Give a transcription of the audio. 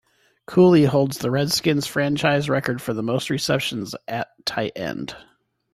Cooley holds the Redskins' franchise record for most receptions at tight end.